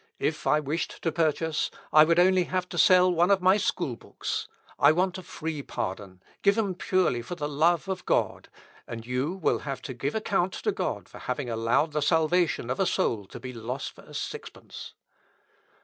If I wished to purchase, I would only have to sell one of my school books. I want a free pardon, given purely for the love of God, and you will have to give account to God for having allowed the salvation of a soul to be lost for a sixpence."